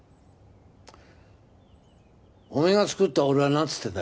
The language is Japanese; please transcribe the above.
お前が作った俺はなんつってんだ？